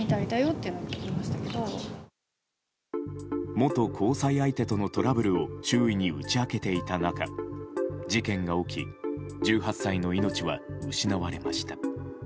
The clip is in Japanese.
元交際相手とのトラブルを周囲に打ち明けていた中事件が起き１８歳の命は失われました。